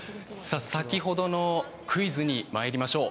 先ほどのクイズにまいりましょう。